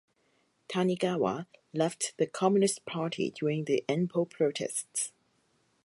Tanigawa left the Communist Party during the Anpo protests.